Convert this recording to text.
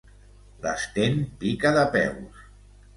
L'Sten pica de peus.